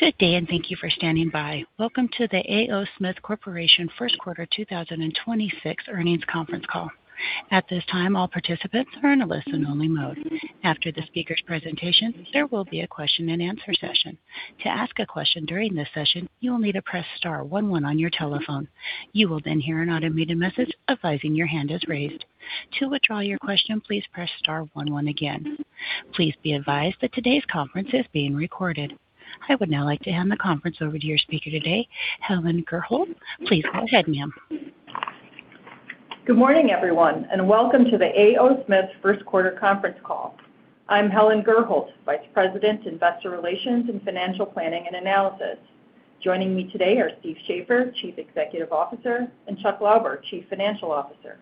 Good day and thank you for standing by. Welcome to the A. O. Smith Corporation First Quarter 2026 Earnings Conference Call. At this time, all participants are in a listen-only mode. After the speaker's presentation, there will be a question-and-answer session. To ask a question during this session, you will need to press star one one on your telephone. You will then hear an automated message advising your hand is raised. To withdraw your question, please press star one one again. Please be advised that today's conference is being recorded. I would now like to hand the conference over to your speaker today, Helen Gurholt. Please go ahead, ma'am. Good morning, everyone, welcome to the A. O. Smith First Quarter Conference Call. I'm Helen Gurholt, Vice President, Investor Relations and Financial Planning and Analysis. Joining me today are Steve Shafer, Chief Executive Officer, and Chuck Lauber, Chief Financial Officer.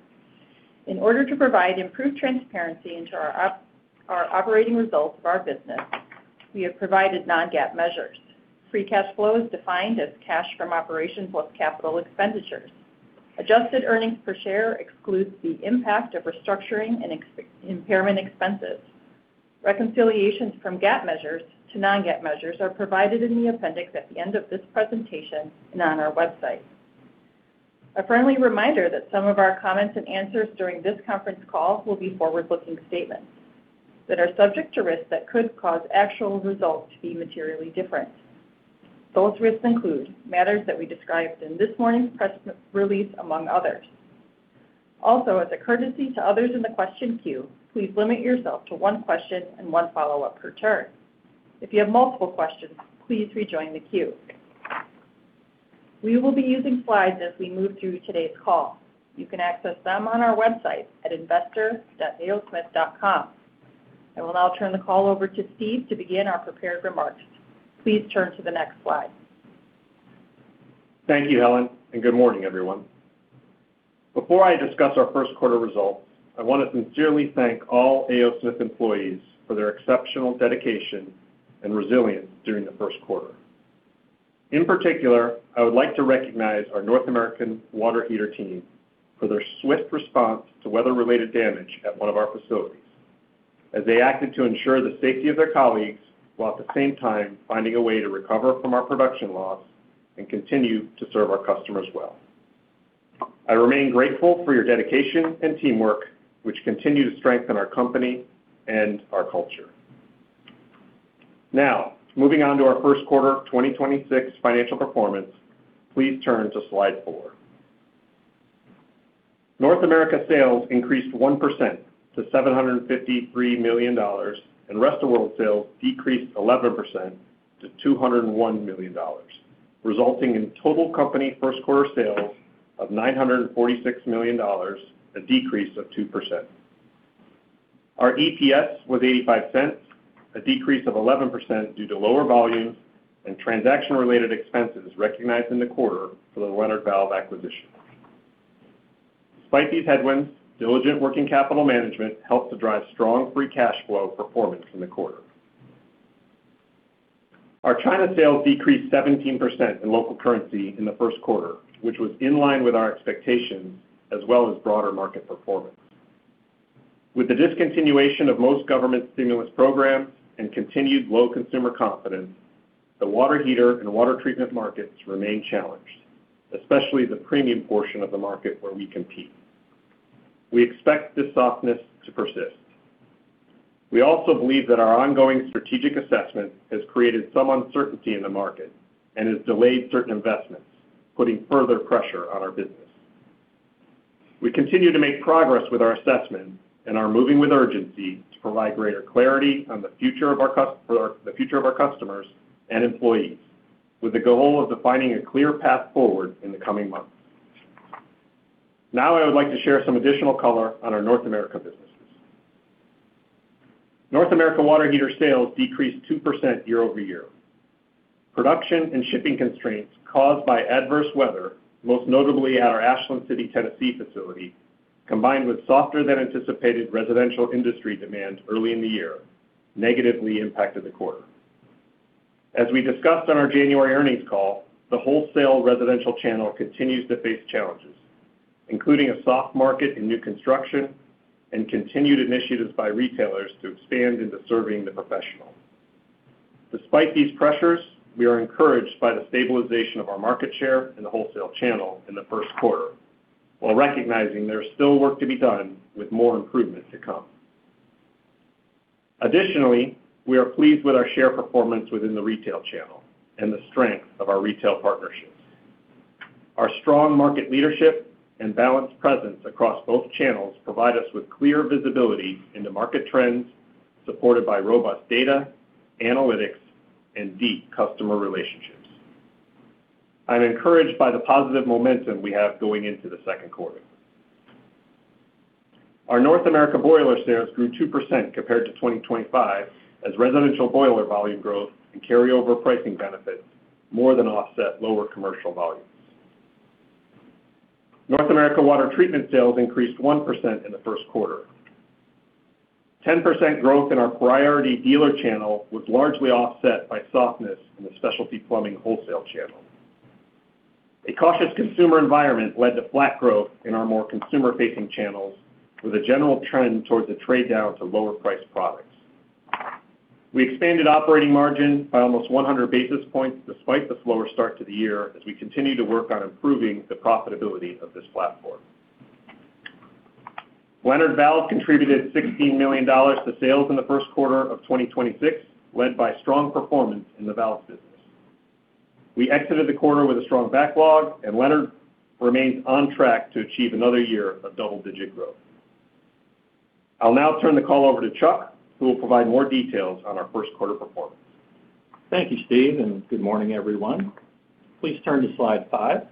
In order to provide improved transparency into our operating results of our business, we have provided non-GAAP measures. Free cash flow is defined as cash from operations plus capital expenditures. Adjusted earnings per share excludes the impact of restructuring and impairment expenses. Reconciliations from GAAP measures to non-GAAP measures are provided in the appendix at the end of this presentation and on our website. A friendly reminder that some of our comments and answers during this conference call will be forward-looking statements that are subject to risks that could cause actual results to be materially different. Those risks include matters that we described in this morning's press release, among others. As a courtesy to others in the question queue, please limit yourself to one question and one follow-up per turn. If you have multiple questions, please rejoin the queue. We will be using slides as we move through today's call. You can access them on our website at investor.aosmith.com. I will now turn the call over to Steve to begin our prepared remarks. Please turn to the next slide. Thank you, Helen. Good morning, everyone. Before I discuss our first quarter results, I want to sincerely thank all A. O. Smith employees for their exceptional dedication and resilience during the first quarter. In particular, I would like to recognize our North American water heater team for their swift response to weather-related damage at one of our facilities as they acted to ensure the safety of their colleagues, while at the same time finding a way to recover from our production loss and continue to serve our customers well. I remain grateful for your dedication and teamwork, which continue to strengthen our company and our culture. Moving on to our first quarter of 2026 financial performance, please turn to slide four. North America sales increased 1% to $753 million and rest of world sales decreased 11% to $201 million, resulting in total company first quarter sales of $946 million, a decrease of 2%. Our EPS was $0.85, a decrease of 11% due to lower volumes and transaction-related expenses recognized in the quarter for the Leonard Valve acquisition. Despite these headwinds, diligent working capital management helped to drive strong free cash flow performance in the quarter. Our China sales decreased 17% in local currency in the first quarter, which was in line with our expectations as well as broader market performance. With the discontinuation of most government stimulus programs and continued low consumer confidence, the water heater and water treatment markets remain challenged, especially the premium portion of the market where we compete. We expect this softness to persist. We also believe that our ongoing strategic assessment has created some uncertainty in the market and has delayed certain investments, putting further pressure on our business. We continue to make progress with our assessment and are moving with urgency to provide greater clarity on the future of our customers and employees with the goal of defining a clear path forward in the coming months. I would like to share some additional color on our North America businesses. North America water heater sales decreased 2% year-over-year. Production and shipping constraints caused by adverse weather, most notably at our Ashland City, Tennessee facility, combined with softer than anticipated residential industry demand early in the year, negatively impacted the quarter. As we discussed on our January earnings call, the wholesale residential channel continues to face challenges, including a soft market in new construction and continued initiatives by retailers to expand into serving the professional. Despite these pressures, we are encouraged by the stabilization of our market share in the wholesale channel in the first quarter, while recognizing there is still work to be done with more improvements to come. Additionally, we are pleased with our share performance within the retail channel and the strength of our retail partnerships. Our strong market leadership and balanced presence across both channels provide us with clear visibility into market trends supported by robust data, analytics, and deep customer relationships. I'm encouraged by the positive momentum we have going into the second quarter. Our North America boiler sales grew 2% compared to 2025 as residential boiler volume growth and carryover pricing benefits more than offset lower commercial volumes. North America water treatment sales increased 1% in the first quarter. 10% growth in our priority dealer channel was largely offset by softness in the specialty plumbing wholesale channel. A cautious consumer environment led to flat growth in our more consumer-facing channels, with a general trend towards a trade-down to lower-priced products. We expanded operating margin by almost 100 basis points despite the slower start to the year as we continue to work on improving the profitability of this platform. Leonard Valve contributed $16 million to sales in the first quarter of 2026, led by strong performance in the valve business. We exited the quarter with a strong backlog, and Leonard remains on track to achieve another year of double-digit growth. I'll now turn the call over to Chuck, who will provide more details on our first quarter performance. Thank you, Steve, and good morning, everyone. Please turn to slide five.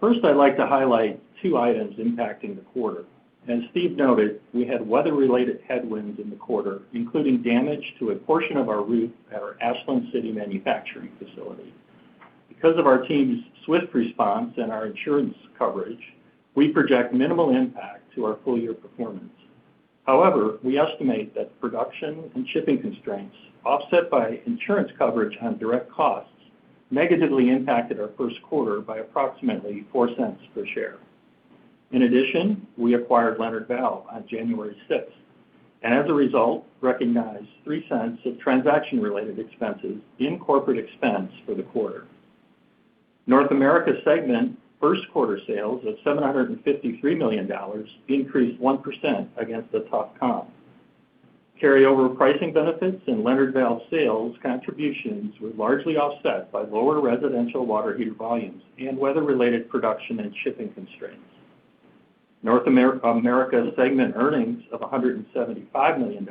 First, I'd like to highlight two items impacting the quarter. As Steve noted, we had weather-related headwinds in the quarter, including damage to a portion of our roof at our Ashland City manufacturing facility. Because of our team's swift response and our insurance coverage, we project minimal impact to our full-year performance. However, we estimate that production and shipping constraints offset by insurance coverage on direct costs negatively impacted our first quarter by approximately $0.04 per share. In addition, we acquired Leonard Valve on January 6th, and as a result, recognized $0.03 of transaction-related expenses in corporate expense for the quarter. North America segment first quarter sales of $753 million increased 1% against the top comp. Carryover pricing benefits in Leonard Valve sales contributions were largely offset by lower residential water heater volumes and weather-related production and shipping constraints. North America segment earnings of $175 million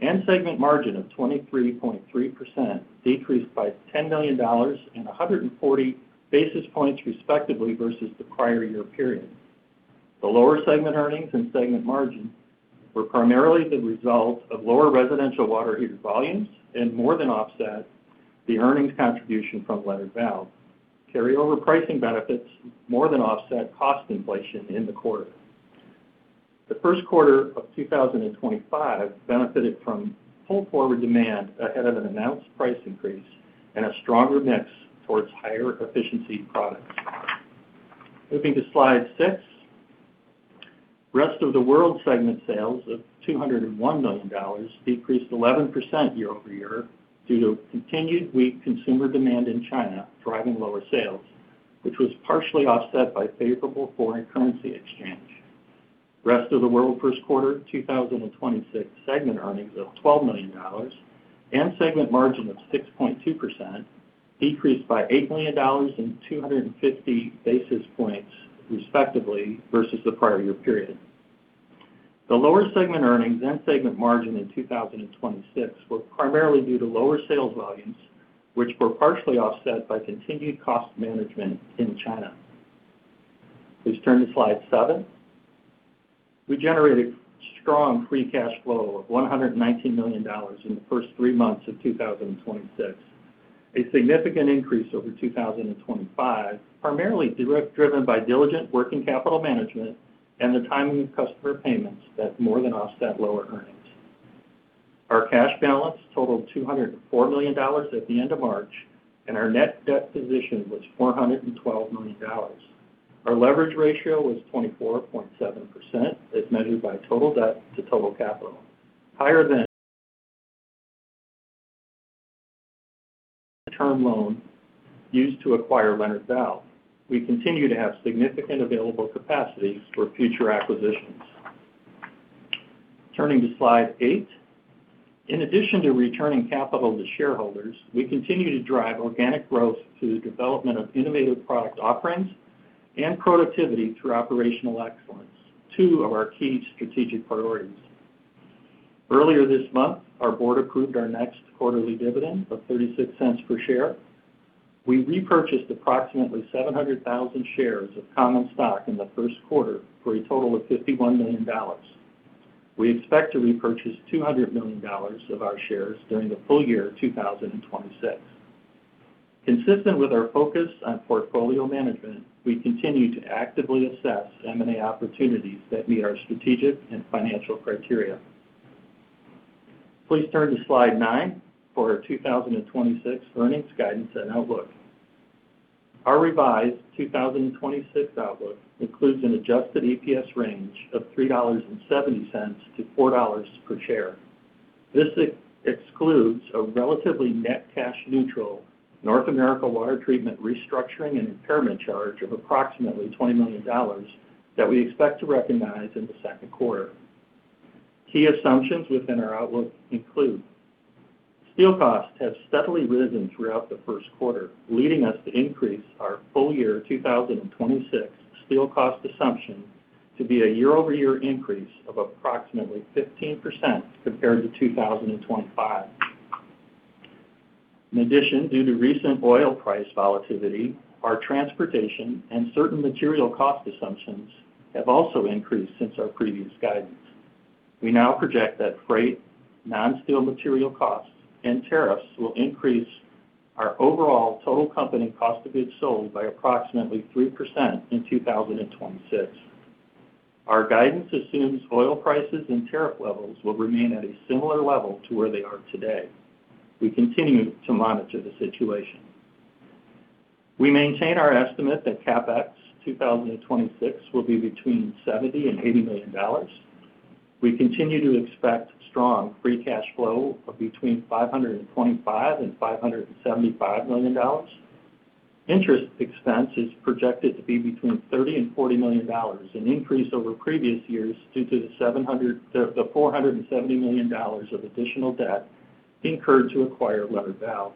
and segment margin of 23.3% decreased by $10 million and 140 basis points, respectively, versus the prior year period. The lower segment earnings and segment margin were primarily the result of lower residential water heater volumes and more than offset the earnings contribution from Leonard Valve. Carryover pricing benefits more than offset cost inflation in the quarter. The first quarter of 2025 benefited from pull-forward demand ahead of an announced price increase and a stronger mix towards higher efficiency products. Moving to slide six. Rest of the World segment sales of $201 million decreased 11% year-over-year due to continued weak consumer demand in China driving lower sales, which was partially offset by favorable foreign currency exchange. Rest of the World first quarter 2026 segment earnings of $12 million and segment margin of 6.2% decreased by $8 million and 250 basis points, respectively, versus the prior year period. The lower segment earnings and segment margin in 2026 were primarily due to lower sales volumes, which were partially offset by continued cost management in China. Please turn to slide seven. We generated strong free cash flow of $119 million in the first three months of 2026, a significant increase over 2025, primarily driven by diligent working capital management and the timing of customer payments that more than offset lower earnings. Our cash balance totaled $204 million at the end of March, and our net debt position was $412 million. Our leverage ratio was 24.7% as measured by total debt to total capital, higher than term loan used to acquire Leonard Valve. We continue to have significant available capacity for future acquisitions. Turning to slide eight. In addition to returning capital to shareholders, we continue to drive organic growth through the development of innovative product offerings and productivity through operational excellence, two of our key strategic priorities. Earlier this month, our board approved our next quarterly dividend of $0.36 per share. We repurchased approximately 700,000 shares of common stock in the first quarter for a total of $51 million. We expect to repurchase $200 million of our shares during the full year 2026. Consistent with our focus on portfolio management, we continue to actively assess M&A opportunities that meet our strategic and financial criteria. Please turn to slide nine for our 2026 earnings guidance and outlook. Our revised 2026 outlook includes an adjusted EPS range of $3.70-$4.00 per share. This excludes a relatively net cash neutral North America water treatment restructuring and impairment charge of approximately $20 million that we expect to recognize in the second quarter. Key assumptions within our outlook include steel costs have steadily risen throughout the first quarter, leading us to increase our full year 2026 steel cost assumption to be a year-over-year increase of approximately 15% compared to 2025. In addition, due to recent oil price volatility, our transportation and certain material cost assumptions have also increased since our previous guidance. We now project that freight, non-steel material costs, and tariffs will increase our overall total company cost of goods sold by approximately 3% in 2026. Our guidance assumes oil prices and tariff levels will remain at a similar level to where they are today. We continue to monitor the situation. We maintain our estimate that CapEx 2026 will be between $70 million-$80 million. We continue to expect strong free cash flow of between $525 million-$575 million. Interest expense is projected to be between $30 million-$40 million, an increase over previous years due to the $470 million of additional debt incurred to acquire Leonard Valve.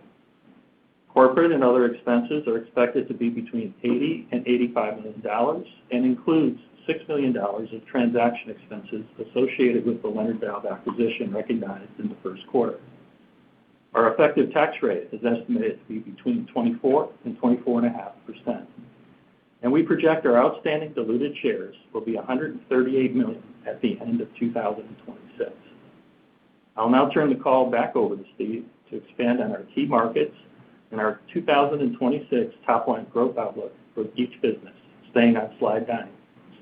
Corporate and other expenses are expected to be between $80 million-$85 million and includes $6 million of transaction expenses associated with the Leonard Valve acquisition recognized in the first quarter. Our effective tax rate is estimated to be between 24%-24.5%, and we project our outstanding diluted shares will be 138 million at the end of 2026. I'll now turn the call back over to Steve to expand on our key markets and our 2026 top-line growth outlook for each business, staying on slide nine.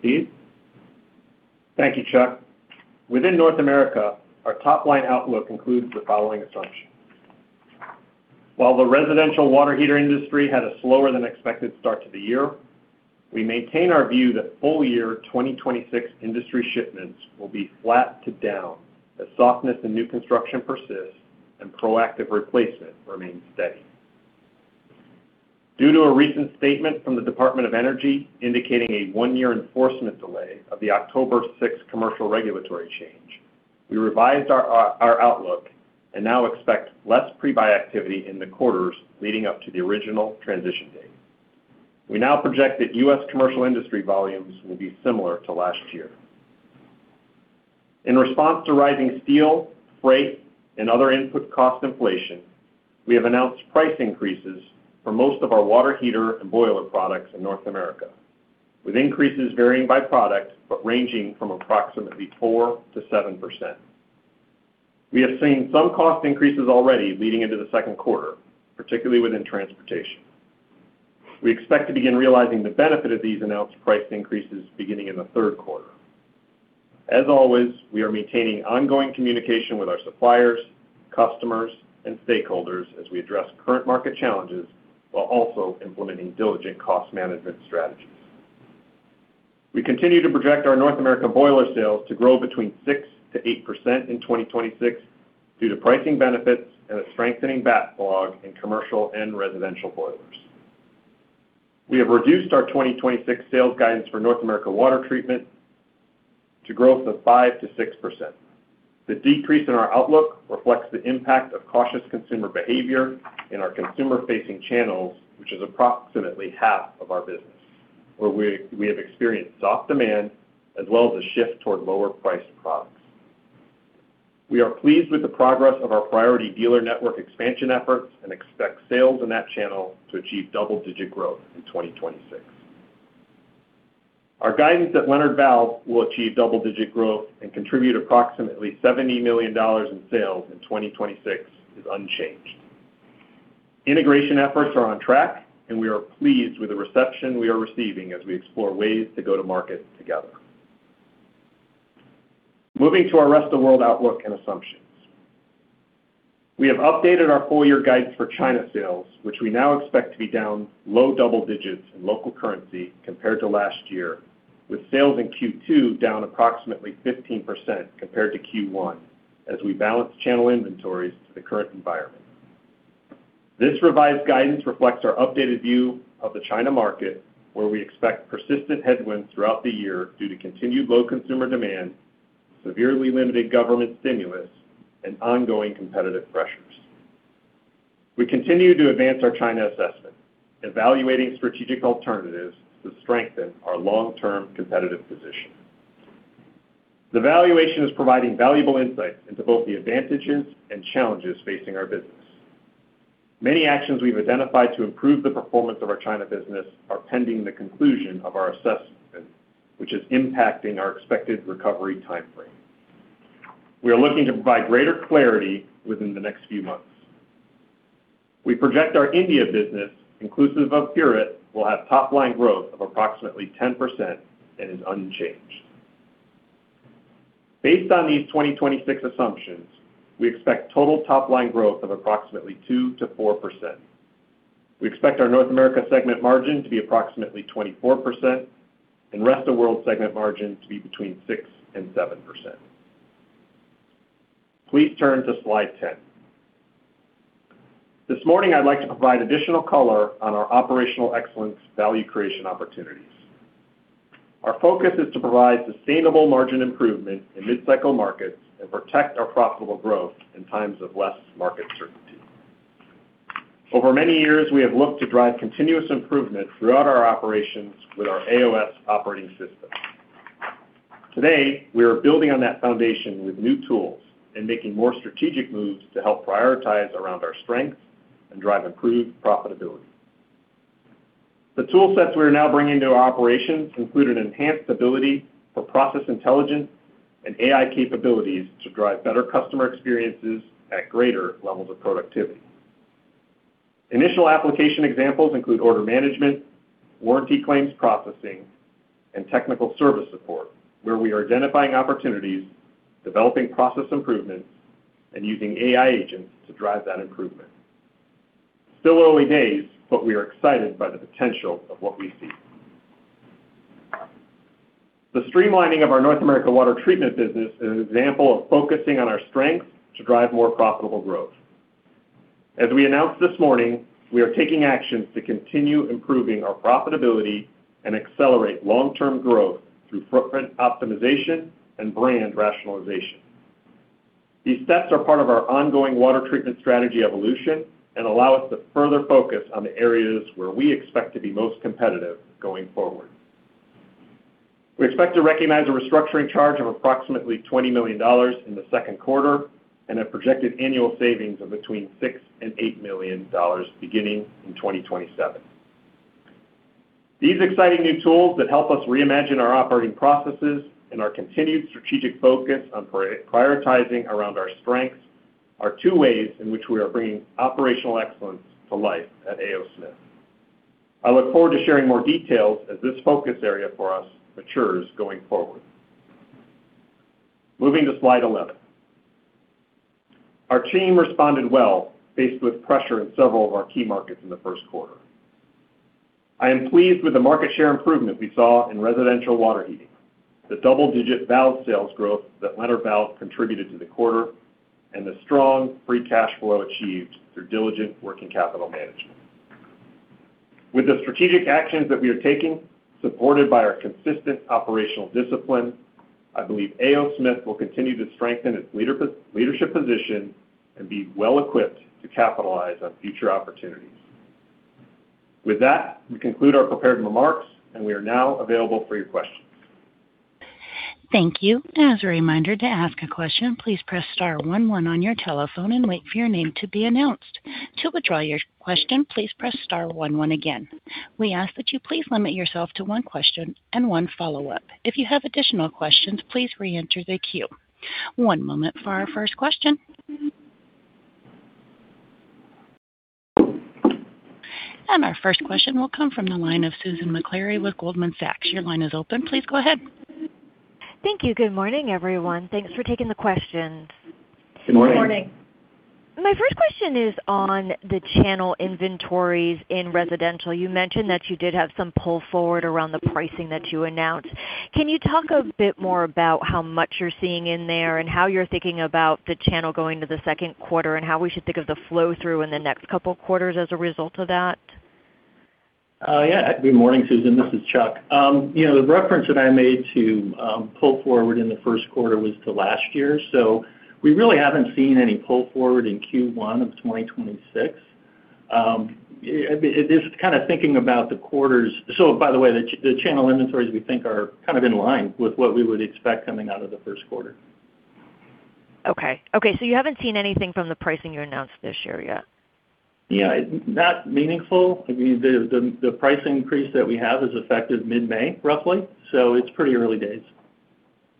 Steve? Thank you, Chuck. Within North America, our top-line outlook includes the following assumptions. While the residential water heater industry had a slower than expected start to the year, we maintain our view that full year 2026 industry shipments will be flat to down as softness in new construction persists and proactive replacement remains steady. Due to a recent statement from the Department of Energy indicating a one-year enforcement delay of the October 6th commercial regulatory change, we revised our outlook and now expect less pre-buy activity in the quarters leading up to the original transition date. We now project that U.S. commercial industry volumes will be similar to last year. In response to rising steel, freight, and other input cost inflation, we have announced price increases for most of our water heater and boiler products in North America, with increases varying by product, but ranging from approximately 4%-7%. We have seen some cost increases already leading into the second quarter, particularly within transportation. We expect to begin realizing the benefit of these announced price increases beginning in the third quarter. As always, we are maintaining ongoing communication with our suppliers, customers, and stakeholders as we address current market challenges while also implementing diligent cost management strategies. We continue to project our North America boiler sales to grow between 6%-8% in 2026 due to pricing benefits and a strengthening backlog in commercial and residential boilers. We have reduced our 2026 sales guidance for North America water treatment to growth of 5%-6%. The decrease in our outlook reflects the impact of cautious consumer behavior in our consumer-facing channels, which is approximately half of our business, where we have experienced soft demand as well as a shift toward lower-priced products. We are pleased with the progress of our priority dealer network expansion efforts and expect sales in that channel to achieve double-digit growth in 2026. Our guidance that Leonard Valve will achieve double-digit growth and contribute approximately $70 million in sales in 2026 is unchanged. Integration efforts are on track, and we are pleased with the reception we are receiving as we explore ways to go to market together. Moving to our Rest of World outlook and assumptions. We have updated our full year guidance for China sales, which we now expect to be down low double digits in local currency compared to last year, with sales in Q2 down approximately 15% compared to Q1 as we balance channel inventories to the current environment. This revised guidance reflects our updated view of the China market, where we expect persistent headwinds throughout the year due to continued low consumer demand, severely limited government stimulus, and ongoing competitive pressures. We continue to advance our China assessment, evaluating strategic alternatives to strengthen our long-term competitive position. The valuation is providing valuable insight into both the advantages and challenges facing our business. Many actions we've identified to improve the performance of our China business are pending the conclusion of our assessment, which is impacting our expected recovery timeframe. We are looking to provide greater clarity within the next few months. We project our India business, inclusive of Pureit, will have top-line growth of approximately 10% and is unchanged. Based on these 2026 assumptions, we expect total top-line growth of approximately 2%-4%. We expect our North America segment margin to be approximately 24% and rest of world segment margin to be between 6% and 7%. Please turn to slide 10. This morning, I'd like to provide additional color on our operational excellence value creation opportunities. Our focus is to provide sustainable margin improvement in mid-cycle markets and protect our profitable growth in times of less market certainty. Over many years, we have looked to drive continuous improvement throughout our operations with our AOS Operating System. Today, we are building on that foundation with new tools and making more strategic moves to help prioritize around our strengths and drive improved profitability. The tool sets we are now bringing to our operations include an enhanced ability for process intelligence and AI capabilities to drive better customer experiences at greater levels of productivity. Initial application examples include order management, warranty claims processing, and technical service support, where we are identifying opportunities, developing process improvements, and using AI agents to drive that improvement. Still early days, but we are excited by the potential of what we see. The streamlining of our North America water treatment business is an example of focusing on our strengths to drive more profitable growth. As we announced this morning, we are taking actions to continue improving our profitability and accelerate long-term growth through footprint optimization and brand rationalization. These steps are part of our ongoing water treatment strategy evolution and allow us to further focus on the areas where we expect to be most competitive going forward. We expect to recognize a restructuring charge of approximately $20 million in the second quarter and a projected annual savings of between $6 million and $8 million beginning in 2027. These exciting new tools that help us reimagine our operating processes and our continued strategic focus on prioritizing around our strengths are two ways in which we are bringing operational excellence to life at A. O. Smith. I look forward to sharing more details as this focus area for us matures going forward. Moving to slide 11. Our team responded well, faced with pressure in several of our key markets in the first quarter. I am pleased with the market share improvement we saw in residential water heating, the double-digit valve sales growth that Leonard Valve contributed to the quarter, and the strong free cash flow achieved through diligent working capital management. With the strategic actions that we are taking, supported by our consistent operational discipline, I believe A. O. Smith will continue to strengthen its leadership position and be well-equipped to capitalize on future opportunities. With that, we conclude our prepared remarks, and we are now available for your questions. Thank you. As a reminder, to ask a question, please press star one one on your telephone and wait for your name to be announced. To withdraw your question, please press star one one again. We ask that you please limit yourself to one question and one follow-up. If you have additional questions, please reenter the queue. One moment for our first question. Our first question will come from the line of Susan Maklari with Goldman Sachs. Your line is open. Please go ahead. Thank you. Good morning, everyone. Thanks for taking the questions. Good morning. My first question is on the channel inventories in residential. You mentioned that you did have some pull forward around the pricing that you announced. Can you talk a bit more about how much you're seeing in there and how you're thinking about the channel going to the second quarter and how we should think of the flow-through in the next couple quarters as a result of that? Good morning, Susan. This is Chuck. You know, the reference that I made to pull forward in the first quarter was to last year. We really haven't seen any pull forward in Q1 of 2026. It is kinda thinking about the quarters. By the way, the channel inventories, we think, are kind of in line with what we would expect coming out of the first quarter. Okay, you haven't seen anything from the pricing you announced this year yet? Yeah. Not meaningful. I mean, the pricing increase that we have is effective mid-May, roughly. It's pretty early days.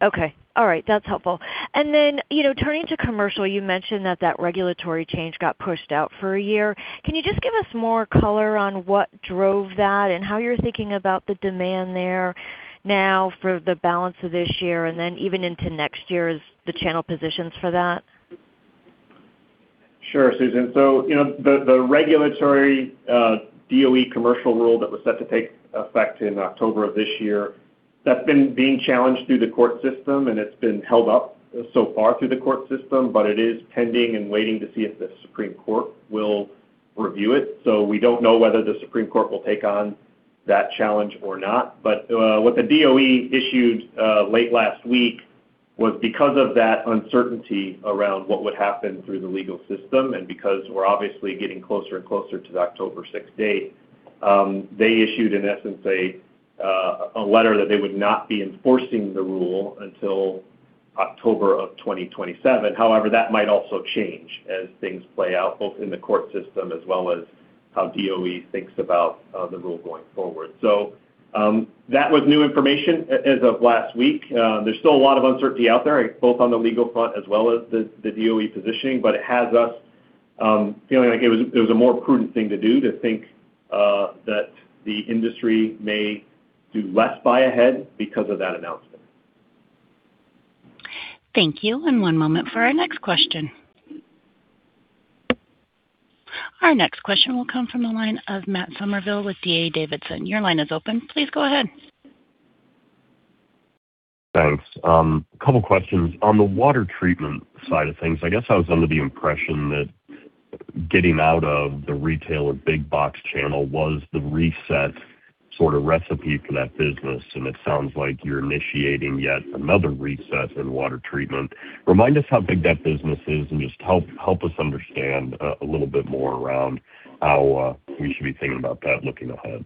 Okay. All right. That's helpful. You know, turning to commercial, you mentioned that that regulatory change got pushed out for a year. Can you just give us more color on what drove that and how you're thinking about the demand there now for the balance of this year and then even into next year as the channel positions for that? Sure, Susan. You know, the regulatory DOE commercial rule that was set to take effect in October of this year, that's been being challenged through the court system, and it's been held up so far through the court system. It is pending and waiting to see if the Supreme Court will review it. We don't know whether the Supreme Court will take on that challenge or not. What the DOE issued late last week was because of that uncertainty around what would happen through the legal system and because we're obviously getting closer and closer to the October 6th date, they issued, in essence, a letter that they would not be enforcing the rule until October of 2027. However, that might also change as things play out, both in the court system as well as how DOE thinks about the rule going forward. That was new information as of last week. There's still a lot of uncertainty out there, both on the legal front as well as the DOE positioning, but it has us feeling like it was a more prudent thing to do to think that the industry may do less buy ahead because of that announcement. Thank you, one moment for our next question. Our next question will come from the line of Matt Summerville with D.A. Davidson. Your line is open. Please go ahead. Thanks. A couple questions. On the water treatment side of things, I guess I was under the impression that getting out of the retail or big box channel was the reset sorta recipe for that business, and it sounds like you're initiating yet another reset in water treatment. Remind us how big that business is and just help us understand a little bit more around how we should be thinking about that looking ahead.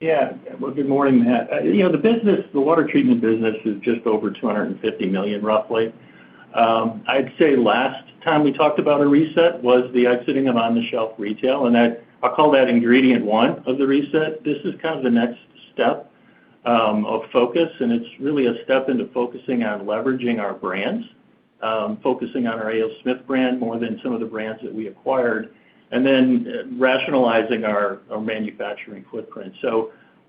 Yeah. Well, good morning, Matt. You know, the business, the water treatment business is just over $250 million, roughly. I'd say last time we talked about a reset was the exiting of on-the-shelf retail. I'll call that ingredient one of the reset. This is kind of the next step of focus. It's really a step into focusing on leveraging our brands, focusing on our A. O. Smith brand more than some of the brands that we acquired, then rationalizing our manufacturing footprint.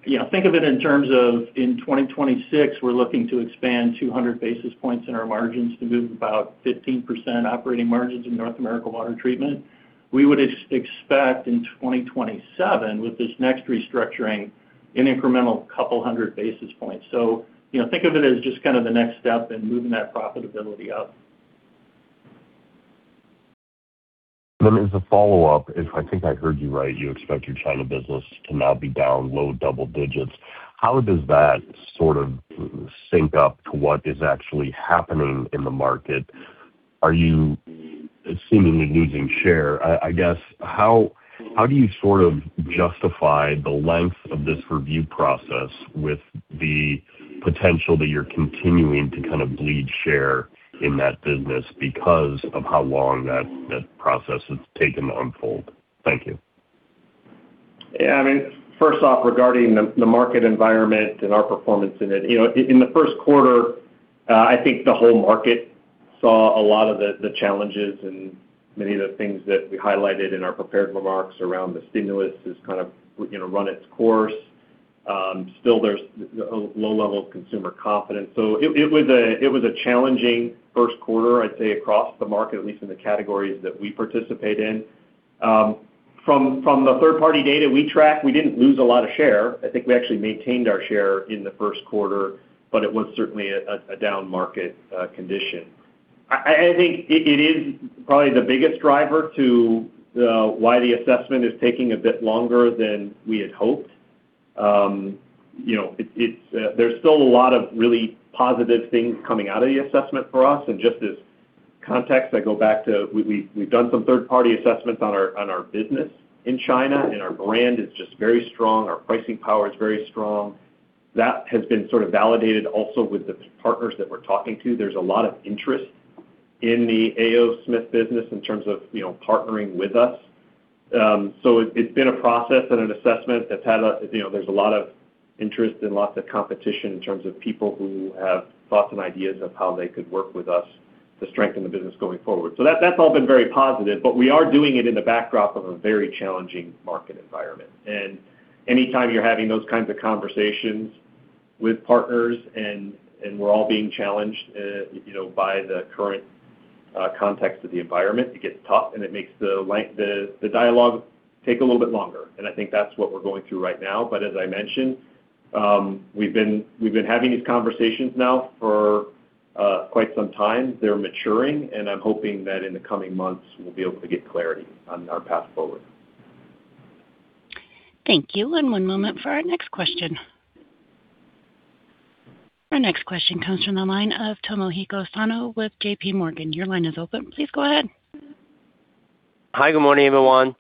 You know, think of it in terms of in 2026, we're looking to expand 200 basis points in our margins to move about 15% operating margins in North America water treatment. We would expect in 2027, with this next restructuring, an incremental 200 basis points. You know, think of it as just kind of the next step in moving that profitability up. As a follow-up, if I think I heard you right, you expect your China business to now be down low double digits. How does that sort of sync up to what is actually happening in the market? Are you seemingly losing share? I guess, how do you sort of justify the length of this review process with the potential that you're continuing to kind of bleed share in that business because of how long that process has taken to unfold? Thank you. I mean, first off, regarding the market environment and our performance in it, you know, in the first quarter, I think the whole market saw a lot of the challenges and many of the things that we highlighted in our prepared remarks around the stimulus has kind of, you know, run its course. Still, there's a low level of consumer confidence. It was a challenging first quarter, I'd say, across the market, at least in the categories that we participate in. From the third-party data we tracked, we didn't lose a lot of share. I think we actually maintained our share in the first quarter, but it was certainly a down-market condition. I think it is probably the biggest driver to why the assessment is taking a bit longer than we had hoped. You know, it's, there's still a lot of really positive things coming out of the assessment for us. Just as context, I go back to we've done some third-party assessments on our business in China, and our brand is just very strong. Our pricing power is very strong. That has been sort of validated also with the partners that we're talking to. There's a lot of interest in the A. O. Smith business in terms of, you know, partnering with us. It, it's been a process and an assessment that's had a, you know, there's a lot of interest and lots of competition in terms of people who have thoughts and ideas of how they could work with us to strengthen the business going forward. That, that's all been very positive, but we are doing it in the backdrop of a very challenging market environment. Anytime you're having those kinds of conversations with partners and we're all being challenged, you know, by the current context of the environment, it gets tough, and it makes the dialogue take a little bit longer. I think that's what we're going through right now. As I mentioned, we've been, we've been having these conversations now for quite some time. They're maturing, and I'm hoping that in the coming months, we'll be able to get clarity on our path forward. Thank you. One moment for our next question. Our next question comes from the line of Tomohiko Sano with JPMorgan. Your line is open. Please go ahead. Hi, good morning, everyone.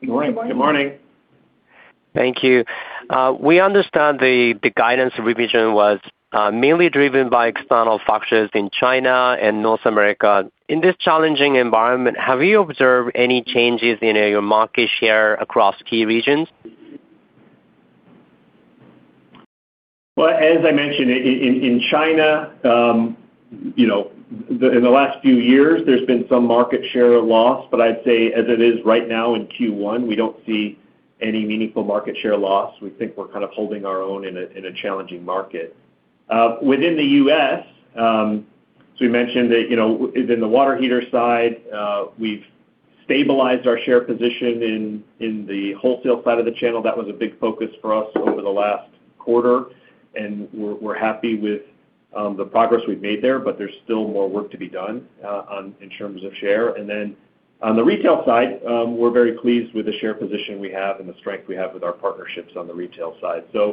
Good morning. Good morning. Thank you. We understand the guidance revision was mainly driven by external factors in China and North America. In this challenging environment, have you observed any changes in your market share across key regions? As I mentioned, in China, you know, in the last few years, there's been some market share loss, but I'd say as it is right now in Q1, we don't see any meaningful market share loss. We think we're kind of holding our own in a challenging market. Within the U.S., we mentioned that, you know, within the water heater side, we've stabilized our share position in the wholesale side of the channel. That was a big focus for us over the last quarter, and we're happy with the progress we've made there, but there's still more work to be done in terms of share. On the retail side, we're very pleased with the share position we have and the strength we have with our partnerships on the retail side. You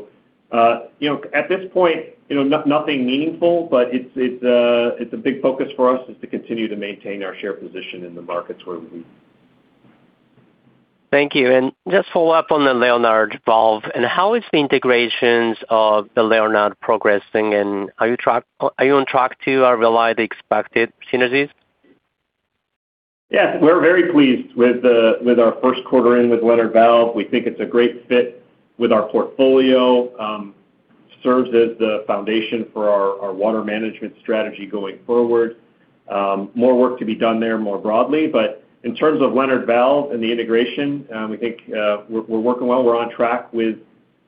know, at this point, you know, nothing meaningful, but it's a big focus for us is to continue to maintain our share position in the markets where we. Thank you. Just follow up on the Leonard Valve, and how is the integrations of the Leonard progressing, and are you on track to realize the expected synergies? Yes, we're very pleased with the, with our first quarter in with Leonard Valve. We think it's a great fit with our portfolio. Serves as the foundation for our water management strategy going forward. More work to be done there more broadly. In terms of Leonard Valve and the integration, we think we're working well. We're on track with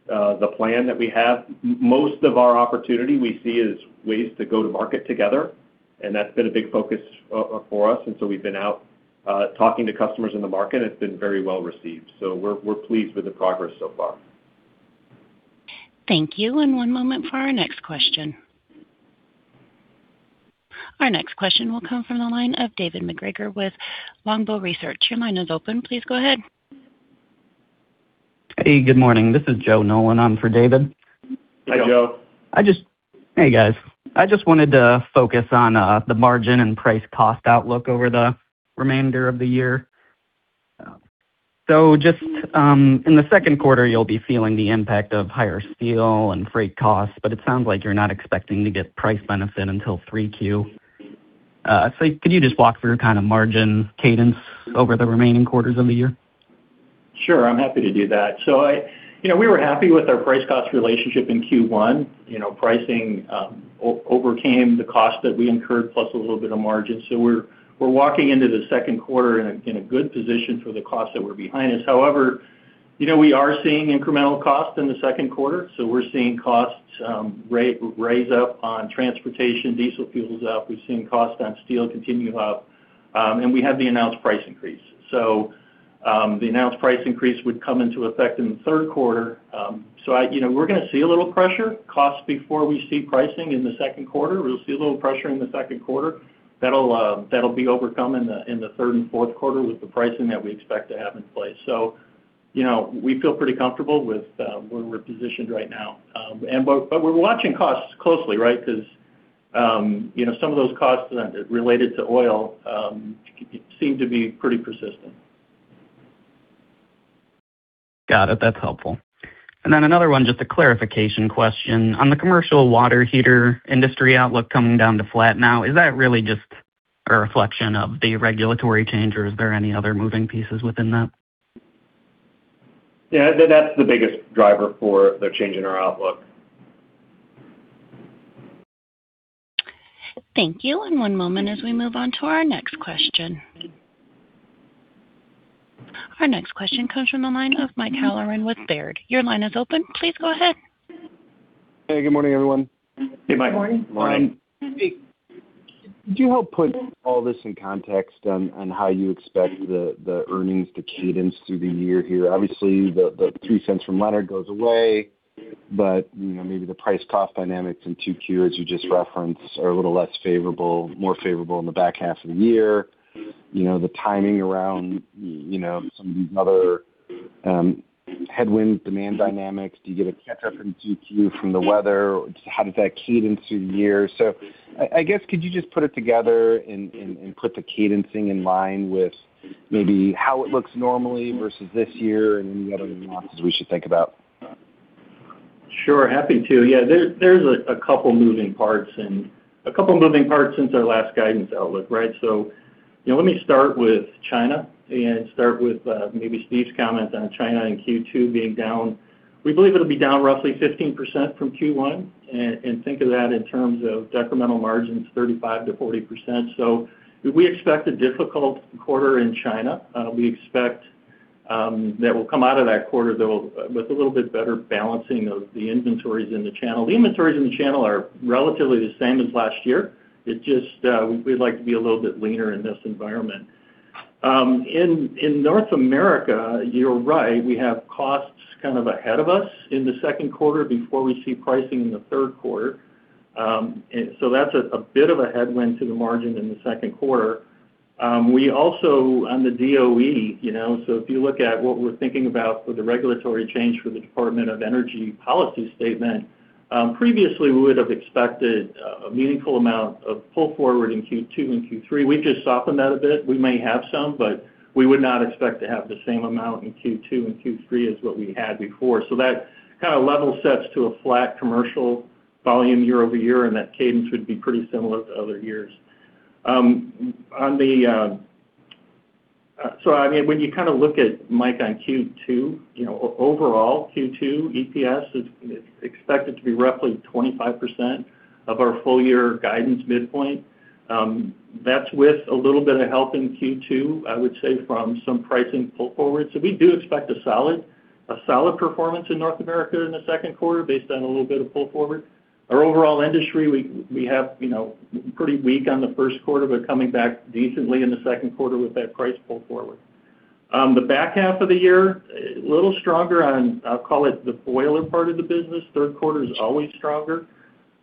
the plan that we have. Most of our opportunity we see is ways to go to market together, and that's been a big focus for us. We've been out talking to customers in the market, and it's been very well received. We're pleased with the progress so far. Thank you. One moment for our next question. Our next question will come from the line of David MacGregor with Longbow Research. Your line is open. Please go ahead. Hey, good morning. This is Joe Nolan on for David. Hey, Joe. I just Hey, guys. I just wanted to focus on the margin and price cost outlook over the remainder of the year. Just in the second quarter, you'll be feeling the impact of higher steel and freight costs, but it sounds like you're not expecting to get price benefit until 3Q. Could you just walk through kind of margin cadence over the remaining quarters of the year? Sure, I'm happy to do that. You know, we were happy with our price cost relationship in Q1. You know, pricing overcame the cost that we incurred plus a little bit of margin. We're walking into the second quarter in a good position for the costs that were behind us. However, you know, we are seeing incremental costs in the second quarter, so we're seeing costs raise up on transportation, diesel fuel's up. We've seen costs on steel continue up, we have the announced price increase. The announced price increase would come into effect in the third quarter. You know, we're gonna see a little pressure, costs before we see pricing in the second quarter. We'll see a little pressure in the second quarter. That'll be overcome in the third and fourth quarter with the pricing that we expect to have in place. You know, we feel pretty comfortable with where we're positioned right now. But we're watching costs closely, right? 'Cause, you know, some of those costs related to oil seem to be pretty persistent. Got it. That's helpful. Another one, just a clarification question. On the commercial water heater industry outlook coming down to flat now, is that really just a reflection of the regulatory change, or is there any other moving pieces within that? Yeah, that's the biggest driver for the change in our outlook. Thank you. One moment as we move on to our next question. Our next question comes from the line of Mike Halloran with Baird. Your line is open. Please go ahead. Hey, good morning, everyone. Hey, Mike. Morning. Could you help put all this in context on how you expect the earnings to cadence through the year here? Obviously, the $0.02 from Leonard goes away, but, you know, maybe the price-cost dynamics in 2Q, as you just referenced, are a little less favorable, more favorable in the back half of the year. You know, the timing around, you know, some of these other headwinds, demand dynamics. Do you get a catch-up in 2Q from the weather? How does that cadence through the year? I guess, could you just put it together and put the cadencing in line with maybe how it looks normally versus this year and any other nuances we should think about? Sure, happy to. Yeah, there's a couple moving parts and a couple moving parts since our last guidance outlook, right? You know, let me start with China and start with maybe Steve's comment on China in Q2 being down. We believe it'll be down roughly 15% from Q1, and think of that in terms of decremental margins, 35%-40%. We expect a difficult quarter in China. We expect that we'll come out of that quarter, though, with a little bit better balancing of the inventories in the channel. The inventories in the channel are relatively the same as last year. It just, we'd like to be a little bit leaner in this environment. In North America, you're right, we have costs kind of ahead of us in the second quarter before we see pricing in the third quarter. That's a bit of a headwind to the margin in the second quarter. We also on the DOE, you know, if you look at what we're thinking about for the regulatory change for the Department of Energy policy statement, previously we would have expected a meaningful amount of pull forward in Q2 and Q3. We've just softened that a bit. We may have some, we would not expect to have the same amount in Q2 and Q3 as what we had before. That kind of level sets to a flat commercial volume year-over-year, that cadence would be pretty similar to other years. I mean, when you kind of look at Mike on Q2, you know, overall Q2 EPS is expected to be roughly 25% of our full year guidance midpoint. That's with a little bit of help in Q2, I would say, from some pricing pull forward. We do expect a solid performance in North America in the second quarter based on a little bit of pull forward. Our overall industry, we have, you know, pretty weak on the first quarter, but coming back decently in the second quarter with that price pull forward. The back half of the year, a little stronger on, I'll call it, the boiler part of the business. Third quarter is always stronger.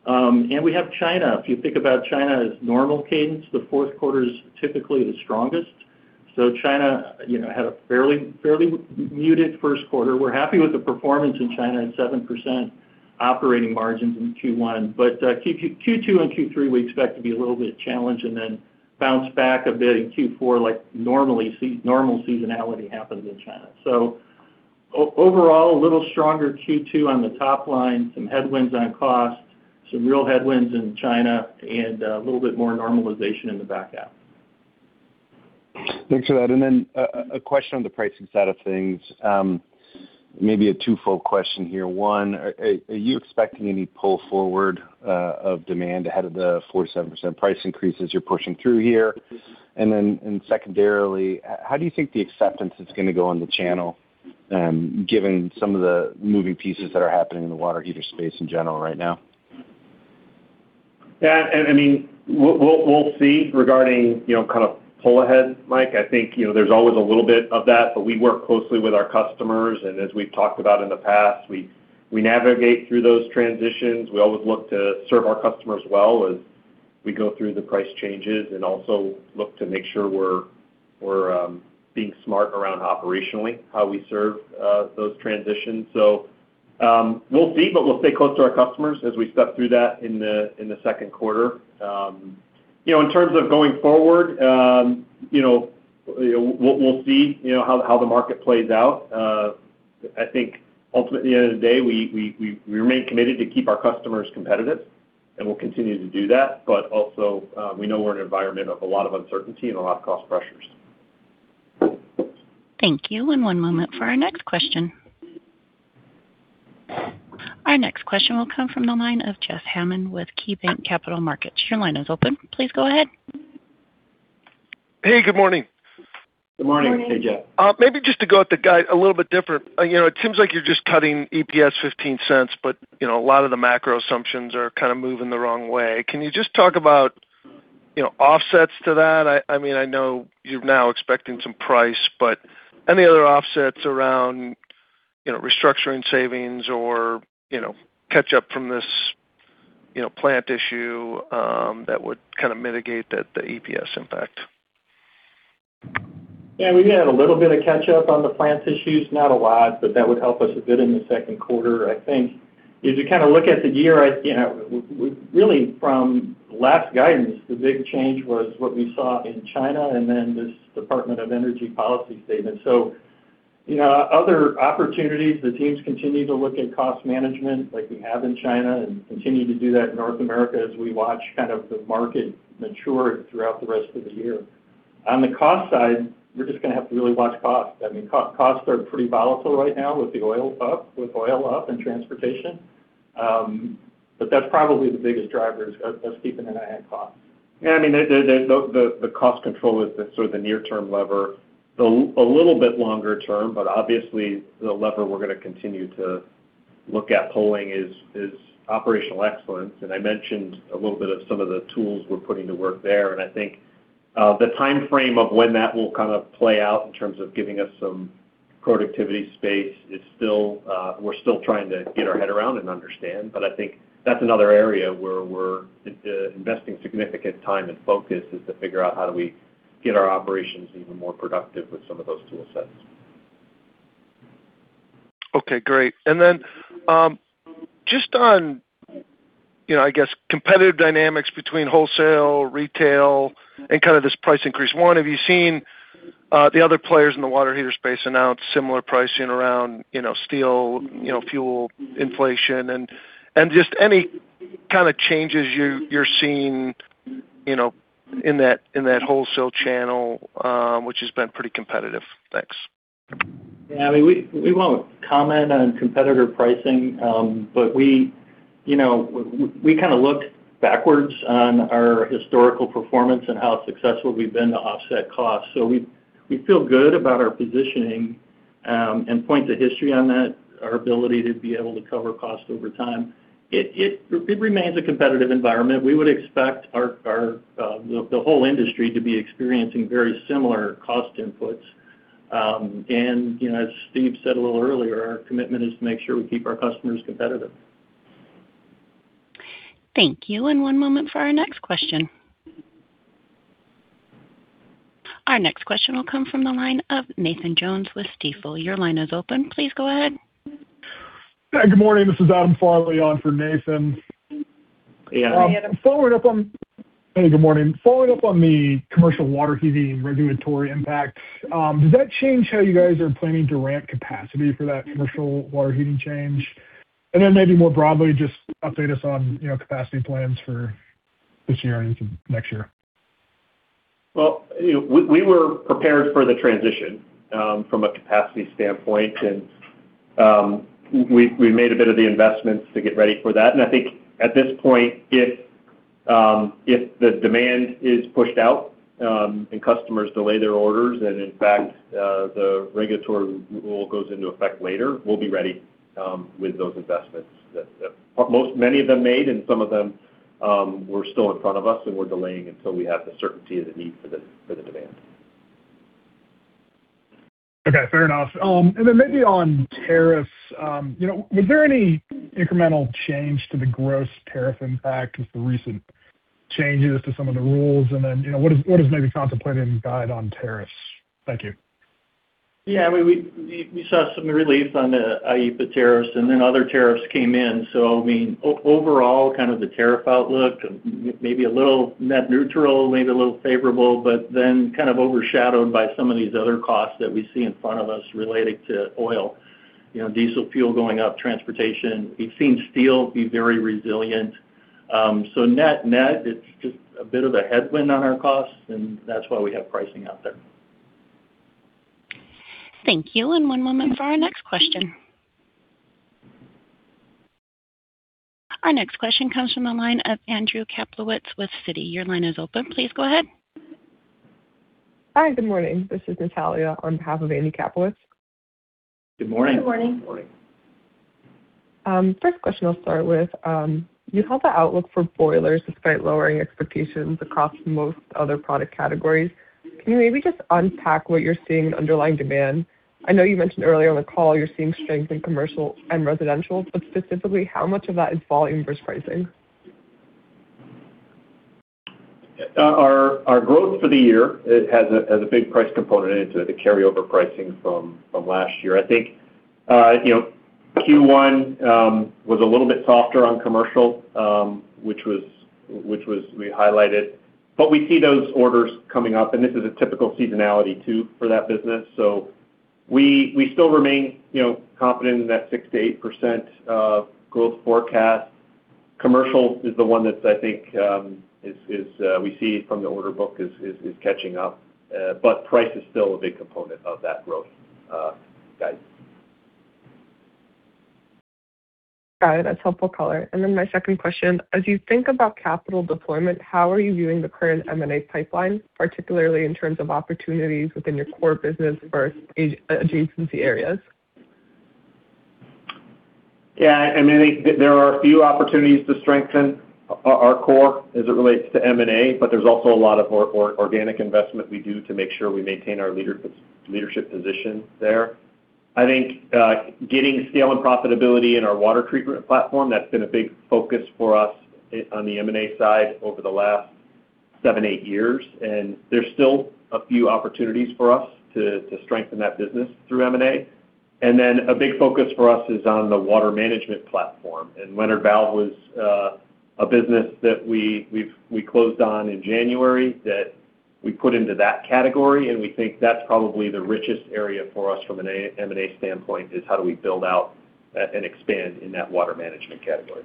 We have China. If you think about China as normal cadence, the fourth quarter is typically the strongest. China, you know, had a fairly muted first quarter. We're happy with the performance in China and 7% operating margins in Q1. Q2 and Q3, we expect to be a little bit challenged and then bounce back a bit in Q4 like normal seasonality happens in China. Overall, a little stronger Q2 on the top line, some headwinds on cost, some real headwinds in China, and a little bit more normalization in the back half. Thanks for that. Then a question on the pricing side of things. Maybe a two-fold question here. One, are you expecting any pull forward of demand ahead of the 4%-7% price increases you're pushing through here? Secondarily, how do you think the acceptance is gonna go on the channel, given some of the moving pieces that are happening in the water heater space in general right now? I mean, we'll see regarding, you know, kind of pull ahead, Mike. I think, you know, there's always a little bit of that. We work closely with our customers, as we've talked about in the past, we navigate through those transitions. We always look to serve our customers well as we go through the price changes also look to make sure, we're being smart around operationally, how we serve those transitions. We'll see, we'll stay close to our customers as we step through that in the second quarter. You know, in terms of going forward, you know, we'll see, you know, how the market plays out. I think ultimately at the end of the day, we remain committed to keep our customers competitive, and we'll continue to do that. Also, we know we're in an environment of a lot of uncertainty and a lot of cost pressures. Thank you. One moment for our next question. Our next question will come from the line of Jeff Hammond with KeyBanc Capital Markets. Your line is open. Please go ahead. Hey, good morning. Good morning, Jeff. Good morning. Maybe just to go at the guide a little bit different. You know, it seems like you're just cutting EPS $0.15, but, you know, a lot of the macro assumptions are kind of moving the wrong way. Can you just talk about, you know, offsets to that? I mean, I know you're now expecting some price, but any other offsets around, you know, restructuring savings or, you know, catch-up from this, you know, plant issue that would kind of mitigate the EPS impact? Yeah, we do have a little bit of catch-up on the plant issues. Not a lot, but that would help us a bit in the second quarter. I think if you kind of look at the year, I, you know, really from last guidance, the big change was what we saw in China and then this Department of Energy policy statement. You know, other opportunities, the teams continue to look at cost management like we have in China and continue to do that in North America as we watch kind of the market mature throughout the rest of the year. On the cost side, we're just gonna have to really watch costs. I mean, costs are pretty volatile right now with oil up and transportation. That's probably the biggest driver is keeping an eye on costs. Yeah, I mean, the cost control is the sort of the near-term lever. A little bit longer term, but obviously the lever we're gonna continue to look at pulling is operational excellence. I mentioned a little bit of some of the tools we're putting to work there. I think the timeframe of when that will kind of play out in terms of giving us some productivity space is still, we're still trying to get our head around and understand. I think that's another area where we're investing significant time and focus, is to figure out how do we get our operations even more productive with some of those tool sets. Okay, great. Then, just on, you know, I guess, competitive dynamics between wholesale, retail, and kind of this price increase. One, have you seen, the other players in the water heater space announce similar pricing around, you know, steel, you know, fuel inflation? Just any kind of changes you're seeing, you know, in that, in that wholesale channel, which has been pretty competitive. Thanks. Yeah, I mean, we won't comment on competitor pricing. We, you know, we kinda looked backwards on our historical performance and how successful we've been to offset costs. We, we feel good about our positioning, and point to history on that, our ability to be able to cover cost over time. It remains a competitive environment. We would expect our, the whole industry to be experiencing very similar cost inputs. You know, as Steve said a little earlier, our commitment is to make sure we keep our customers competitive. Thank you. One moment for our next question. Our next question will come from the line of Nathan Jones with Stifel. Your line is open. Please go ahead. Yeah, good morning. This is Adam Farley on for Nathan. Yeah, Adam. Hey, good morning. Following up on the commercial water heating regulatory impact, does that change how you guys are planning to ramp capacity for that commercial water heating change? Maybe more broadly, just update us on, you know, capacity plans for this year and into next year. Well, you know, we were prepared for the transition from a capacity standpoint. We made a bit of the investments to get ready for that. I think at this point, if the demand is pushed out, and customers delay their orders and, in fact, the regulatory rule goes into effect later, we'll be ready with those investments that many of them made and some of them were still in front of us, and we're delaying until we have the certainty of the need for the demand. Okay, fair enough. Maybe on tariffs, you know, was there any incremental change to the gross tariff impact with the recent changes to some of the rules? You know, what is maybe contemplated in guide on tariffs? Thank you. Yeah, I mean, we saw some relief on the IEEPA tariffs. Other tariffs came in. Overall, kind of the tariff outlook, maybe a little net neutral, maybe a little favorable, kind of overshadowed by some of these other costs that we see in front of us relating to oil. You know, diesel fuel going up, transportation. We've seen steel be very resilient. Net, it's just a bit of a headwind on our costs and that's why we have pricing out there. Thank you. One moment for our next question. Our next question comes from the line of Andrew Kaplowitz with Citi. Your line is open. Please go ahead. Hi, good morning. This is Natalia on behalf of Andy Kaplowitz. Good morning. Good morning. Good morning. First question I'll start with, you held the outlook for boilers despite lowering expectations across most other product categories. Can you maybe just unpack what you're seeing in underlying demand? I know you mentioned earlier in the call you're seeing strength in commercial and residential, but specifically how much of that is volume versus pricing? Our growth for the year, it has a big price component, and it's the carryover pricing from last year. I think, you know, Q1 was a little bit softer on commercial, which was we highlighted. We see those orders coming up, and this is a typical seasonality too for that business. We still remain, you know, confident in that 6%-8% growth forecast. Commercial is the one that I think, is we see from the order book is catching up. Price is still a big component of that growth guide. Got it. That's helpful color. Then my second question, as you think about capital deployment, how are you viewing the current M&A pipeline, particularly in terms of opportunities within your core business or adjacency areas? Yeah, I mean, I think there are a few opportunities to strengthen our core as it relates to M&A, but there's also a lot of organic investment we do to make sure we maintain our leadership position there. I think getting scale and profitability in our water treatment platform, that's been a big focus for us on the M&A side over the last seven, eight years, and there's still a few opportunities for us to strengthen that business through M&A. A big focus for us is on the water management platform. Leonard Valve was a business that we closed on in January that we put into that category, and we think that's probably the richest area for us from an M&A standpoint, is how do we build out and expand in that water management category.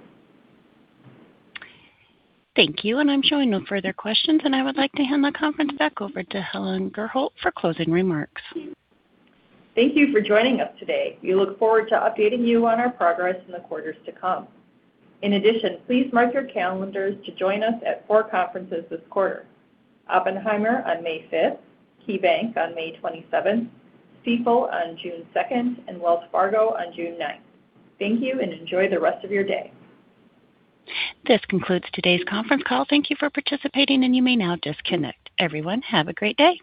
Thank you. I'm showing no further questions, and I would like to hand the conference back over to Helen Gurholt for closing remarks. Thank you for joining us today. We look forward to updating you on our progress in the quarters to come. In addition, please mark your calendars to join us at four conferences this quarter. Oppenheimer on May 5th, KeyBanc on May 27th, Stifel on June 2nd, and Wells Fargo on June 9th. Thank you and enjoy the rest of your day. This concludes today's conference call. Thank you for participating, and you may now disconnect. Everyone, have a great day.